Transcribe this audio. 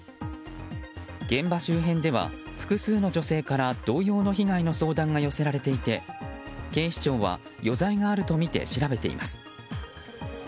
現場周辺では複数の女性から同様の被害の相談が寄せられていて警視庁は余罪があるとみて調べています。